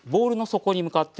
底に向かって。